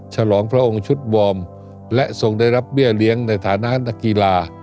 ฉลองพระองค์ชุดวอร์มและทรงได้รับเบี้ยเลี้ยงในฐานะนักกีฬา